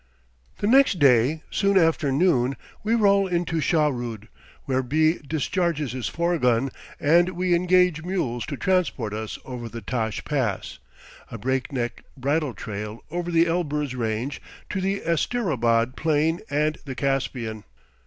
The next day, soon after noon, we roll into Shahrood, where B discharges his fourgon and we engage mules to transport us over the Tash Pass, a breakneck bridle trail over the Elburz range to the Asterabad Plain and the Caspian.